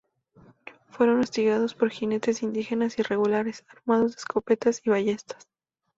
Fueron hostigados por jinetes indígenas irregulares, armados de escopetas y ballestas.